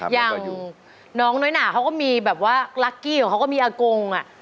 ยังอยู่น้องน้อยหนาเขาก็มีแบบว่าลักกี้ของเขาก็มีอากงอ่ะ